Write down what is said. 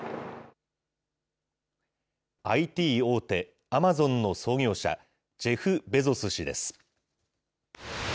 ＩＴ大手、アマゾンの創業者、ジェフ・ベゾス氏です。